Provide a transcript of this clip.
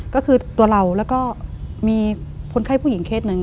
ก็คือตัวเราแล้วก็มีคนไข้ผู้หญิงเคสหนึ่ง